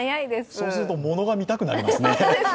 そうすると物が見たくなりますね。